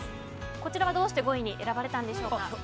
こちらはどうして５位に選ばれたんでしょうか。